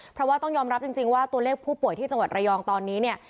เพราะว่าต้องยอมรับจริงว่าตัวเลขผู้ป่วยที่จังหวัดระยองตอนนี้เนี่ย